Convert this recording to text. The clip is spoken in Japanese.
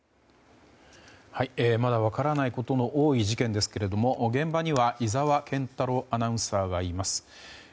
まだ分からないことの多い事件ですけれども現場には井澤健太朗アナウンサーがいます。